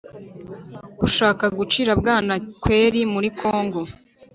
bushaka gucira bwanakweri muri congo.